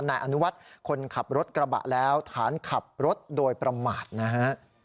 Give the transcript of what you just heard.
นายอนุวัฒน์คนขับรถกระบะแล้วฐานขับรถโดยประมาทนะฮะ